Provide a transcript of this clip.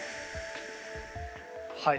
はい。